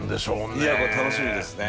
いやこれ楽しみですね。